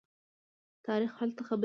تاریخ هلته خبرې کوي.